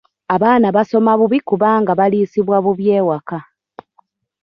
Abaana basoma bubi kubanga baliisibwa bubi ewaka.